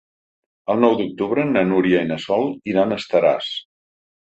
El nou d'octubre na Núria i na Sol iran a Estaràs.